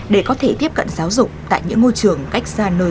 để có thể tiếp cận giáo dục tại những ngôi trường cách xa nơi